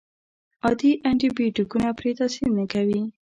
عادي انټي بیوټیکونه پرې تاثیر نه کوي.